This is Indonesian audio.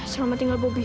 selamat tinggal bobby